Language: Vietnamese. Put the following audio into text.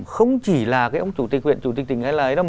không chỉ là cái ông chủ tịch quyền chủ tịch tỉnh hay là